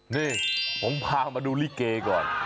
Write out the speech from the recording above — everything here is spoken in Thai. นี่ผมพามาดูลิเกก่อน